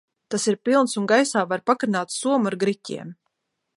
Tas ir pilns un gaisā var pakarināt somu ar griķiem.